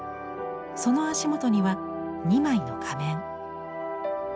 その足元には２枚の仮面。